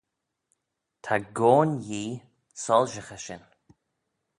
Ta goan Yee soilshaghey shin.